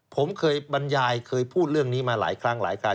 ผมเคยบรรยายเคยพูดเรื่องนี้มาหลายครั้งหลายครั้ง